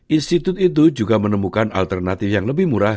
institut itu juga menemukan alternatif yang lebih murah